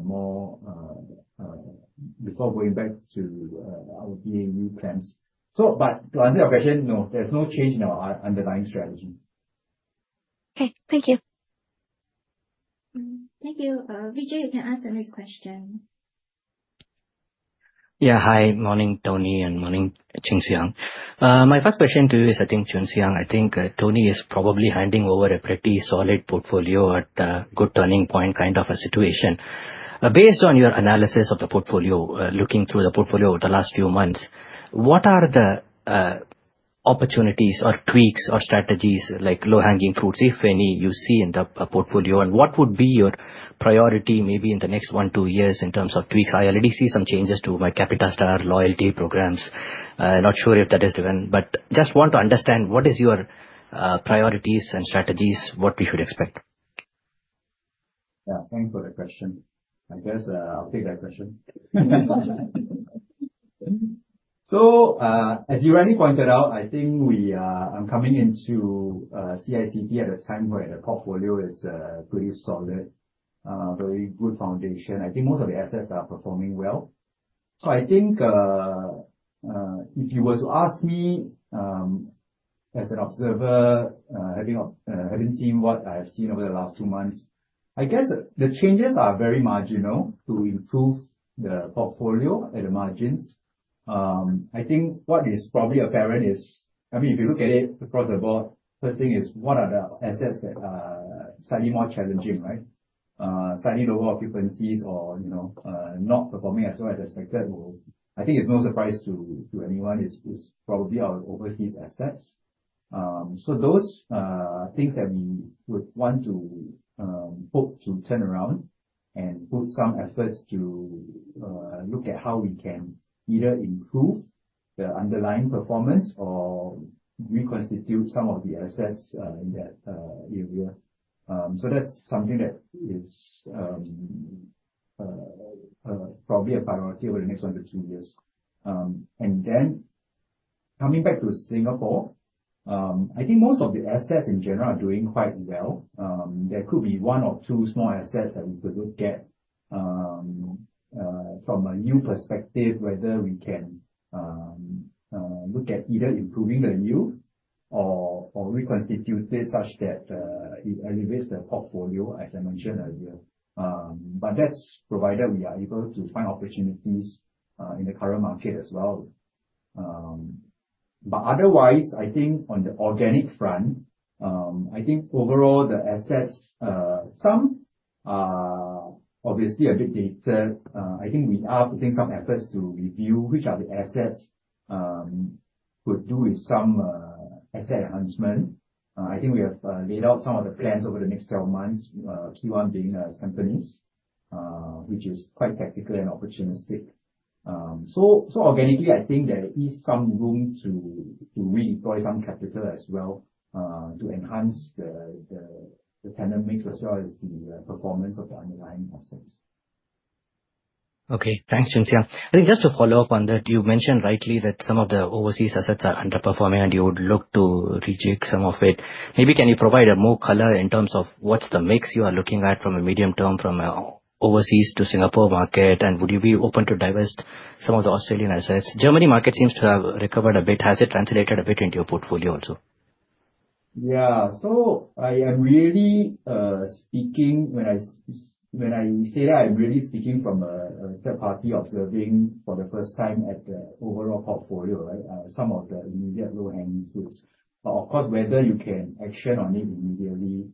back to our new plans. To answer your question, no. There is no change in our underlying strategy. Okay. Thank you. Thank you. Vijay, you can ask the next question. Hi. Good morning, Tony, and good morning, Choon Siang. My first question to you is, I think, Choon Siang, I think Tony is probably handing over a pretty solid portfolio at a good turning point kind of a situation. Based on your analysis of the portfolio, looking through the portfolio over the last few months, what are the opportunities or tweaks or strategies, like low-hanging fruits, if any, you see in the portfolio? What would be your priority maybe in the next one, two years in terms of tweaks? I already see some changes to my CapitaStar loyalty programs. Not sure if that is driven, just want to understand what is your priorities and strategies, what we should expect. Thank you for the question. I guess I'll take that question. As you rightly pointed out, I think I'm coming into CICT at a time where the portfolio is pretty solid, very good foundation. I think most of the assets are performing well. I think, if you were to ask me. As an observer, having seen what I've seen over the last two months, I guess the changes are very marginal to improve the portfolio at the margins. I think what is probably apparent is, if you look at it across the board, first thing is, what are the assets that are slightly more challenging? Slightly lower occupancies or not performing as well as expected. I think it's no surprise to anyone, it's probably our overseas assets. Those are things that we would want to hope to turn around and put some efforts to look at how we can either improve the underlying performance or reconstitute some of the assets in that area. That's something that is probably a priority over the next one to two years. Coming back to Singapore, I think most of the assets in general are doing quite well. There could be one or two small assets that we could look at from a new perspective, whether we can look at either improving the yield or reconstitute it such that it elevates the portfolio, as I mentioned earlier. That's provided we are able to find opportunities in the current market as well. Otherwise, I think on the organic front, I think overall, the assets, some are obviously a bit dated. I think we are putting some efforts to review which of the assets could do with some asset enhancement. I think we have laid out some of the plans over the next 12 months, Q1 being Tampines 1, which is quite tactical and opportunistic. Organically, I think there is some room to redeploy some capital as well to enhance the tenant mix as well as the performance of the underlying assets. Thanks, Choon Siang. I think just to follow up on that, you mentioned rightly that some of the overseas assets are underperforming and you would look to rejig some of it. Maybe can you provide more color in terms of what's the mix you are looking at from a medium term, from overseas to Singapore market, and would you be open to divest some of the Australian assets? Germany market seems to have recovered a bit. Has it translated a bit into your portfolio also? When I say that, I'm really speaking from a third party observing for the first time at the overall portfolio. Some of the immediate low-hanging fruits. Of course, whether you can action on it immediately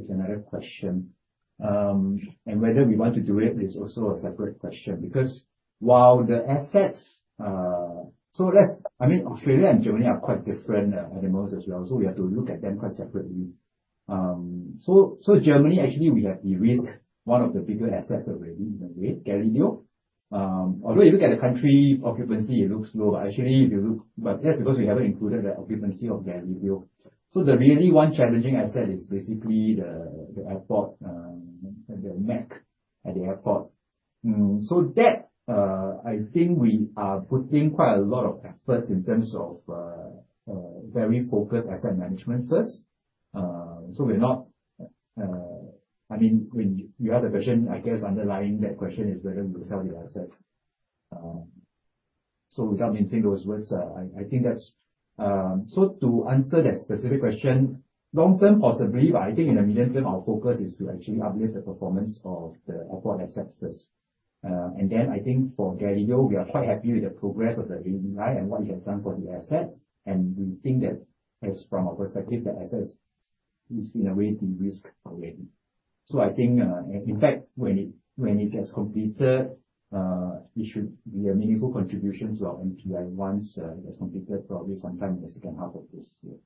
is another question. Whether we want to do it is also a separate question, while the assets Australia and Germany are quite different animals as well. We have to look at them quite separately. Germany, actually, we have de-risked one of the bigger assets already, in a way, Galileo. If you look at the country occupancy, it looks low. That's because we haven't included the occupancy of Galileo. Really, one challenging asset is basically the airport, the MEC at the airport. That, I think we are putting quite a lot of efforts in terms of very focused asset management first. When you ask the question, I guess underlying that question is whether we will sell the assets. Without mentioning those words, to answer that specific question, long-term, possibly, but I think in the medium-term, our focus is to actually uplift the performance of the airport assets first. I think for Galileo, we are quite happy with the progress of the deal and what it has done for the asset, and we think that as from our perspective, the asset is in a way de-risked already. I think, in fact, when it gets completed, it should be a meaningful contribution to our NPI once it has completed, probably sometime in the second half of this year.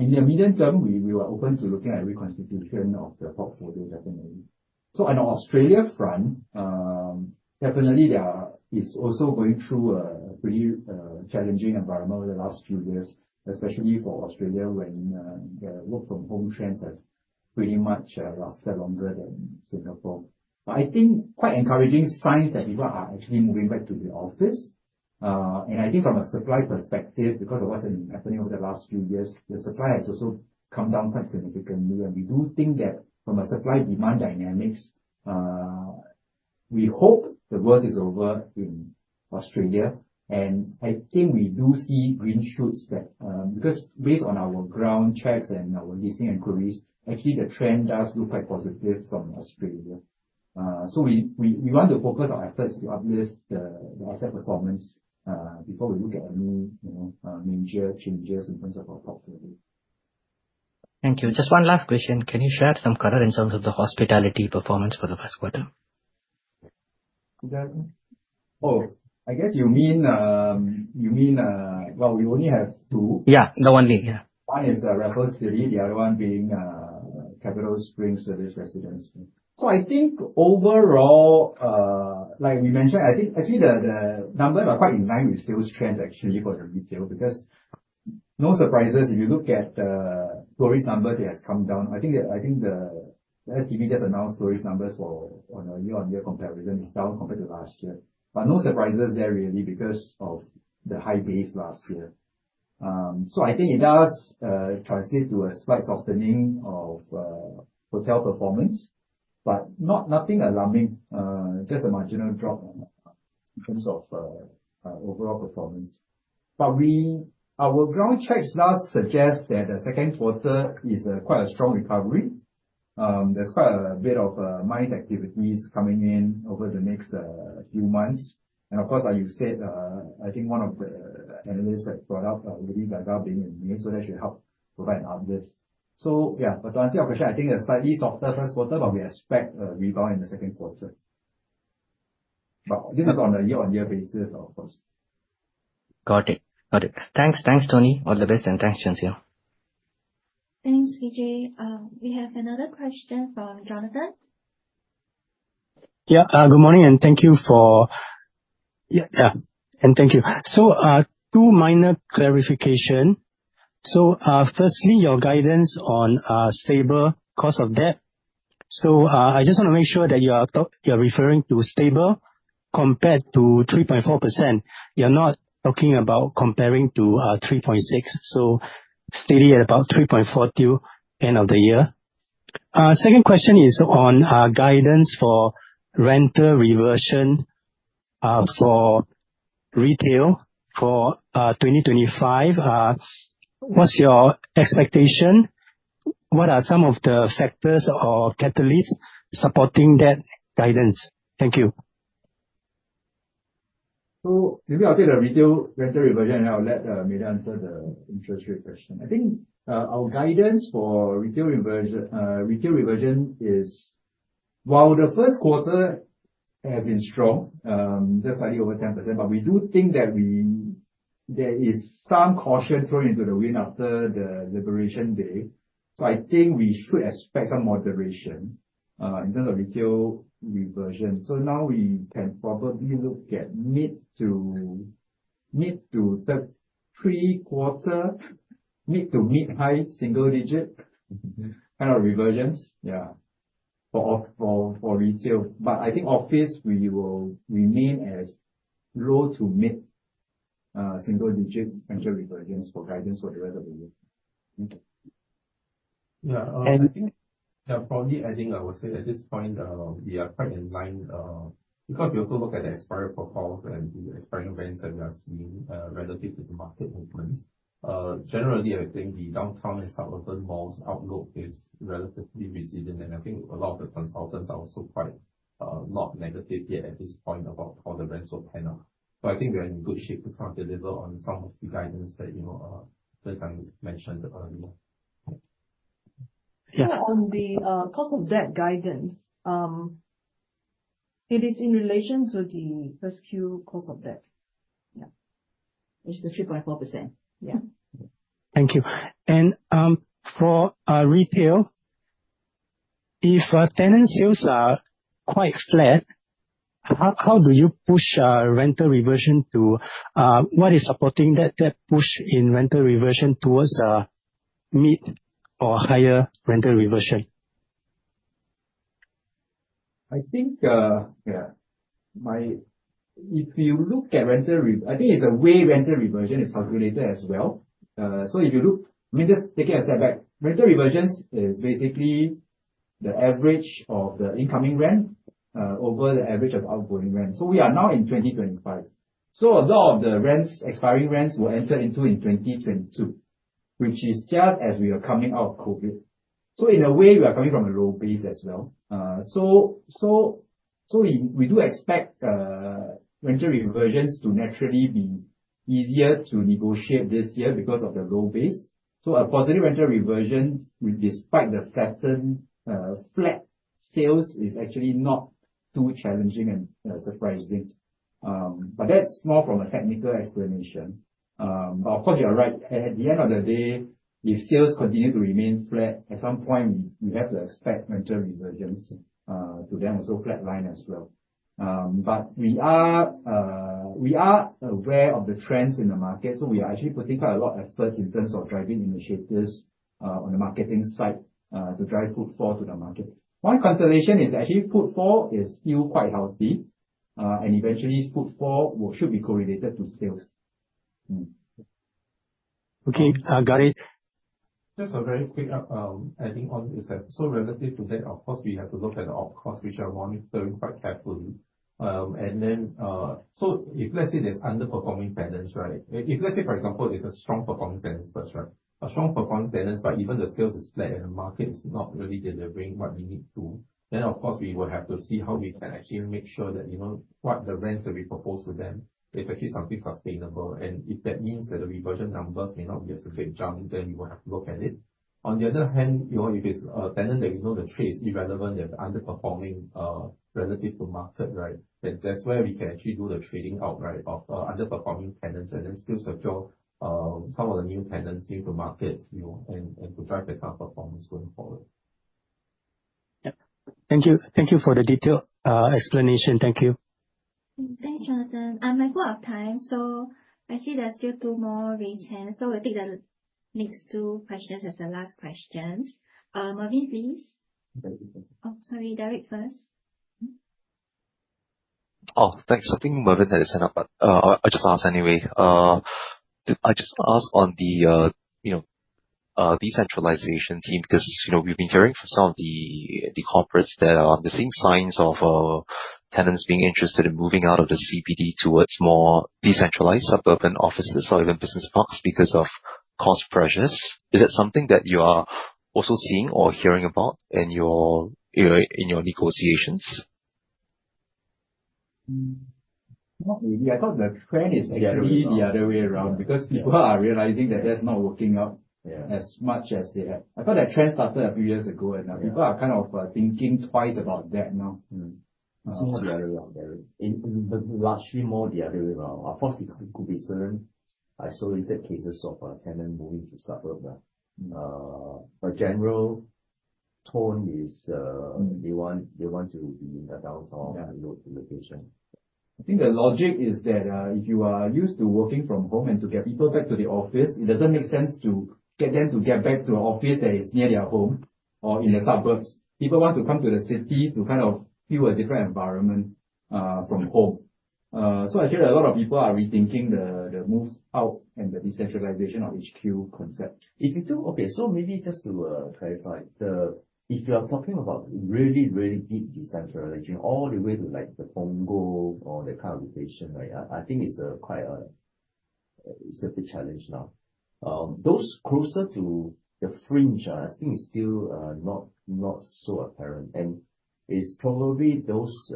In the medium-term, we are open to looking at reconstitution of the portfolio, definitely. On the Australia front, definitely that is also going through a pretty challenging environment over the last few years, especially for Australia, when the work from home trends have pretty much lasted longer than Singapore. I think quite encouraging signs that people are actually moving back to the office. I think from a supply perspective, because of what's been happening over the last few years, the supply has also come down quite significantly, and we do think that from a supply-demand dynamics, we hope the worst is over in Australia. I think we do see green shoots there because based on our ground checks and our leasing inquiries, actually, the trend does look quite positive from Australia. We want to focus our efforts to uplift the asset performance before we look at any major changes in terms of our portfolio. Thank you. Just one last question. Can you shed some color in terms of the hospitality performance for the Q1? I guess you mean, well, we only have two. Yeah, the one link, yeah. One is Raffles City, the other one being CapitalSpring Serviced Residence. I think overall, like we mentioned, I think actually the numbers are quite in line with sales trends actually for the retail because, no surprises, if you look at the tourist numbers, it has come down. I think the STB just announced tourist numbers on a year-on-year comparison is down compared to last year. No surprises there really because of the high base last year. I think it does translate to a slight softening of hotel performance. Nothing alarming, just a marginal drop in terms of overall performance. Our ground checks now suggest that the second quarter is quite a strong recovery. There's quite a bit of nice activities coming in over the next few months. Of course, like you said, I think one of the analysts have brought up release data being in May, that should help provide an uplift. Yeah, to answer your question, I think a slightly softer Q1, we expect a rebound in the second quarter. This is on a year-on-year basis, of course. Got it. Thanks, Tony. All the best and thanks once again. Thanks, CJ. We have another question from Jonathan. Good morning, and thank you. Two minor clarifications. Firstly, your guidance on stable cost of debt. I just want to make sure that you're referring to stable compared to 3.4%. You're not talking about comparing to 3.6. Steady at about 3.4 till end of the year. Second question is on guidance for rental reversion for retail for 2025. What's your expectation? What are some of the factors or catalysts supporting that guidance? Thank you. Maybe I'll take the retail rental reversion, and I'll let Mila answer the interest rate question. I think our guidance for retail reversion is while the Q1 has been strong, just slightly over 10%, but we do think that there is some caution thrown into the wind after the National Day. I think we should expect some moderation in terms of retail reversion. Now we can probably look at mid to third quarter, mid- to mid-high single-digit kind of reversions for retail. I think office, we will remain as low- to mid-single-digit rental reversions for guidance for the rest of the year. Yeah. And? I think, yeah, probably adding, I would say at this point, we are quite in line, because if you also look at the expired profiles and the expiring rents that we are seeing relative to the market movements, generally, I think the downtown and suburban malls outlook is relatively resilient. I think a lot of the consultants are also quite not negative yet at this point about all the rental planner. I think we are in good shape to try and deliver on some of the guidance that first time we mentioned earlier. Yeah. On the cost of debt guidance, it is in relation to the first Q cost of debt. Yeah. Which is the 3.4%. Yeah. Thank you. For retail, if tenant sales are quite flat, what is supporting that push in rental reversion towards mid or higher rental reversion? I think, yeah. If you look at rental, I think it's the way rental reversion is calculated as well. Let me just take it a step back. Rental reversions is basically the average of the incoming rent over the average of outgoing rent. We are now in 2025. A lot of the expiring rents were entered into in 2022, which is just as we are coming out of COVID. In a way, we are coming from a low base as well. We do expect rental reversions to naturally be easier to negotiate this year because of the low base. A positive rental reversion, despite the flat sales, is actually not too challenging and surprising. That's more from a technical explanation. Of course, you are right. At the end of the day, if sales continue to remain flat, at some point, we have to expect rental reversions to then also flatline as well. We are aware of the trends in the market, we are actually putting quite a lot efforts in terms of driving initiatives on the marketing side to drive footfall to the market. My consideration is actually footfall is still quite healthy, and eventually footfall should be correlated to sales. Okay, got it. Just a very quick adding on to that. Relative to that, of course, we have to look at the op costs, which are monitoring quite carefully. If let's say there's underperforming tenants, right? If let's say for example, it's a strong performing tenants first, right? A strong performing tenants, but even the sales is flat and the market is not really delivering what we need to, then of course, we will have to see how we can actually make sure that what the rents that we propose to them is actually something sustainable. If that means that the reversion numbers may not be a significant jump, then we will have to look at it. On the other hand, if it's a tenant that we know the trade is irrelevant, they're underperforming relative to market, right? That's where we can actually do the trading outright of underperforming tenants and then still secure some of the new tenants due to markets, and to drive better performance going forward. Yes. Thank you. Thank you for the detailed explanation. Thank you. Thanks, Jonathan. I'm out of time. I see there's still two more raised hands. We'll take the next two questions as the last questions. Mervyn, please. Derek first. Sorry, Derek first. Oh, thanks. I think Mervyn had his hand up. I'll just ask anyway. I just want to ask on the decentralization theme, because we've been hearing from some of the corporates that are seeing signs of tenants being interested in moving out of the CBD towards more decentralized suburban offices or even business parks because of cost pressures. Is that something that you are also seeing or hearing about in your negotiations? Not really. I thought the trend is actually the other way around. People are realizing that that's not working out. I thought that trend started a few years ago. Now people are kind of thinking twice about that now. It's more the other way around. Largely more the other way around. Of course, there could be certain isolated cases of a tenant moving to suburb. General tone is they want to be in the downtown location. I think the logic is that if you are used to working from home and to get people back to the office, it doesn't make sense to get them to get back to an office that is near their home or in the suburbs. People want to come to the city to feel a different environment from home. I feel a lot of people are rethinking the move out and the decentralization of HQ concept. Maybe just to clarify. If you are talking about really deep decentralization, all the way to the Punggol or that kind of location, I think it's a big challenge now. Those closer to the fringe, I think it's still not so apparent, and it's probably those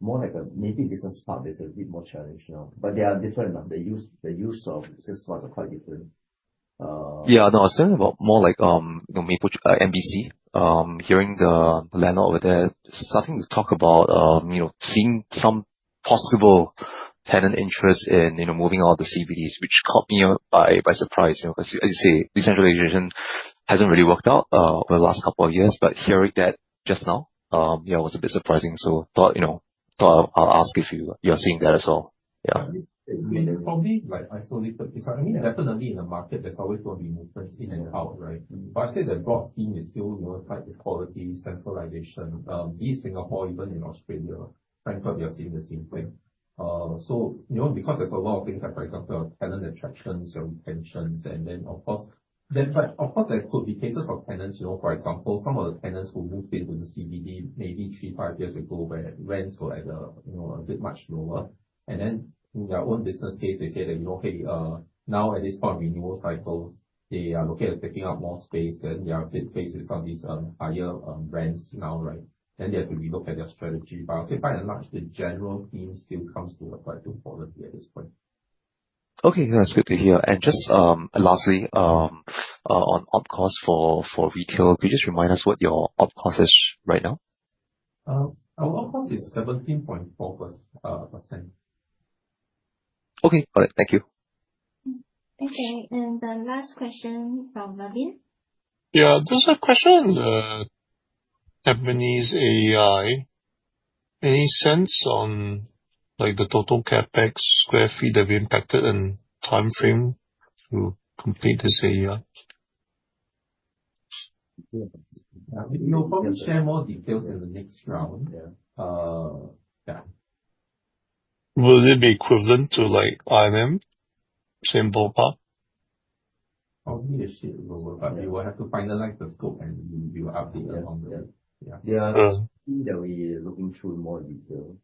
more like a maybe business park that's a bit more challenged now. They are different now. The use of business parks are quite different. Yeah. No, I was thinking about more like MBC. Hearing the landlord over there starting to talk about seeing some possible tenant interest in moving out of the CBDs, which caught me by surprise. As you say, decentralization hasn't really worked out over the last couple of years. Hearing that just now, yeah, was a bit surprising. Thought I'll ask if you're seeing that as well. Yeah. It's probably isolated. Definitely in the market, there's always going to be movements in and out, right? I'd say the broad theme is still flight to quality, centralization. Be it Singapore, even in Australia, Frankfurt, you're seeing the same thing. Because there's a lot of things like, for example, talent attractions, retentions, and then of course, there could be cases of tenants, for example, some of the tenants who moved into the CBD maybe three, five years ago, where rents were a bit much lower. In their own business case, they say that, "Okay, now at this point of renewal cycle," they are looking at taking up more space, then they are faced with some of these higher rents now. They have to relook at their strategy. I'll say by and large, the general theme still comes to a flight to quality at this point. Okay, yeah. It's good to hear. Just lastly, on OpEx for retail, could you just remind us what your OpEx is right now? Our OpEx is 17.4%. Okay. Got it. Thank you. Okay, the last question from Navin. Yeah. Just a question on the Ebene's AEI. Any sense on the total CapEx sq ft that'd be impacted and timeframe to complete this AEI? We will probably share more details in the next round. Yeah. Will it be equivalent to IMM? Same ballpark? Probably a bit lower. We will have to finalize the scope, and we will update along the way. Yeah. There are things that we are looking through more in detail.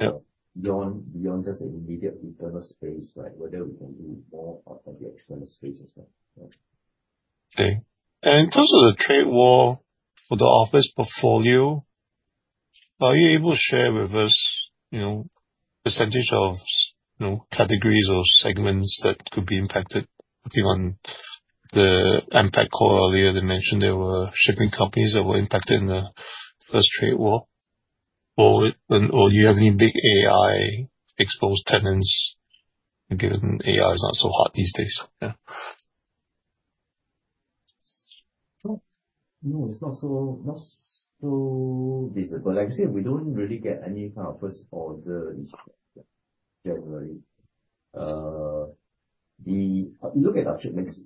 Yes. Beyond just the immediate internal space, whether we can do more of the external space as well. In terms of the trade war for the office portfolio, are you able to share with us percentage of categories or segments that could be impacted? I think on the impact call earlier, they mentioned there were shipping companies that were impacted in the first trade war. Or do you have any big AI exposed tenants, given AI is not so hot these days? Yeah. No, it's not so visible. Like I said, we don't really get any kind of first order this January. If you look at our ship mix,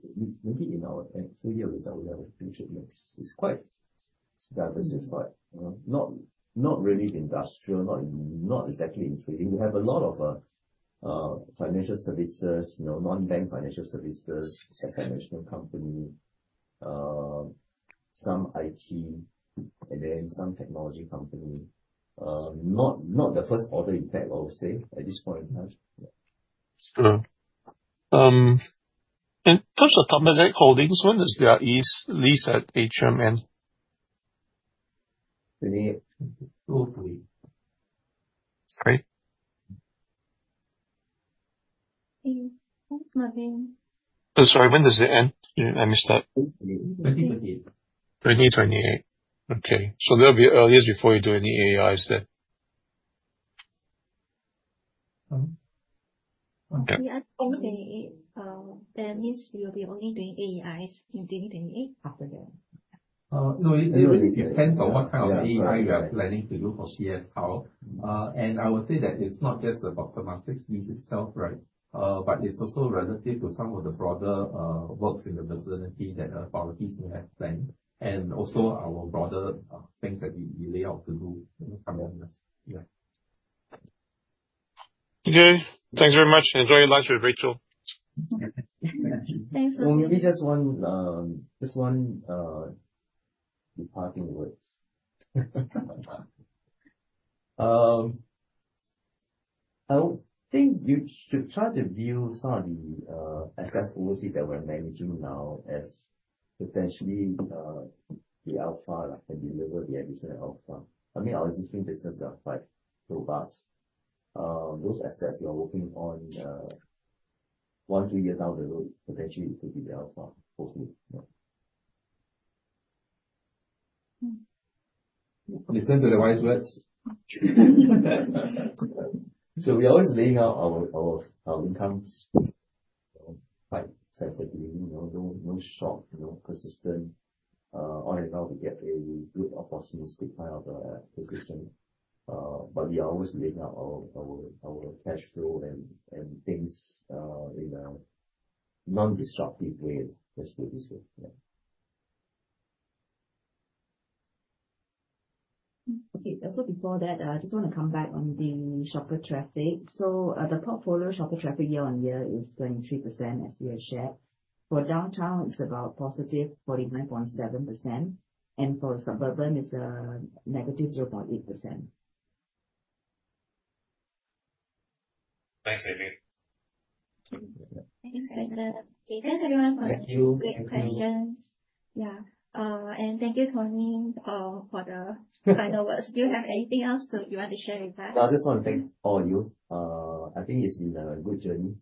maybe in our full year result we have a few ship mix. It's quite diverse. It's not really industrial, not exactly in trading. We have a lot of financial services, non-bank financial services, asset management company, some IT, and then some technology company. Not the first order impact, I would say, at this point in time. Sure. In terms of Octomachic Holdings, when does their lease at HMN end? Sorry? That's Navin. Oh, sorry. When does it end? I missed that. 2028. 2028. Okay. That'll be a few years before you do any AEIs then. He asked 2028, that means you will be only doing AEIs in 2028 after that. No, it depends on what kind of AEI we are planning to do for CS Hall. I would say that it is not just about Octomachic lease itself, but it is also relative to some of the broader works in the vicinity that authorities may have planned. Also our broader things that we lay out to do sometimes. Yeah. Okay, thanks very much, and enjoy your lunch with Rachel. Thanks. Well, maybe just one departing words. I think you should try to view some of the assets overseas that we are managing now as potentially the alpha can deliver the additional alpha. I mean, our existing business are quite robust. Those assets we are working on one, two year down the road, potentially could be the alpha, hopefully. Yeah. Listen to the wise words. We are always laying out our incomes quite sensitively. No shock, no persistent. Only now we get a good opportunistic kind of a position. We are always laying out our cash flow and things in a non-disruptive way. Let us put it this way. Yeah. Okay. Before that, I just want to come back on the shopper traffic. The portfolio shopper traffic year-over-year is 23%, as we have shared. For downtown, it's about positive 49.7%, and for suburban, it's negative 0.8%. Thanks, Wong Mei Lian. Thanks, Wong Mei Lian. Thanks, everyone. Thank you Great questions. Yeah. Thank you, Tony, for the final words. Do you have anything else you want to share with us? No. I just want to thank all of you. I think it's been a good journey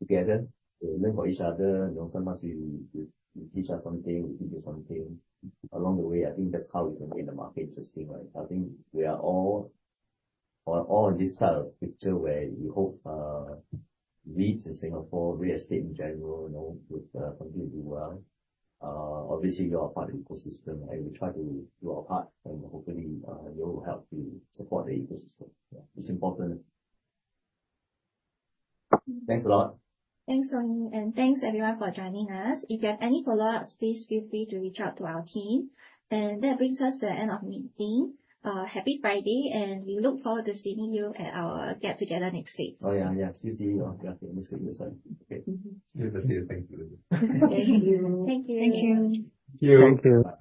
together. We learn for each other. You ask us, we teach you something. We teach you something along the way. I think that's how we can make the market interesting, right? I think we are all on this side of picture where we hope REITs in Singapore, real estate in general, would continue to do well. Obviously, we are part of the ecosystem, and we try to do our part, and hopefully you will help to support the ecosystem. Yeah. It's important. Thanks a lot. Thanks, Tony, and thanks everyone for joining us. If you have any follow-ups, please feel free to reach out to our team. That brings us to the end of meeting. Happy Friday, and we look forward to seeing you at our get-together next week. Oh, yeah. See you then. Okay. Thank you. Thank you. Thank you. Thank you. Thank you.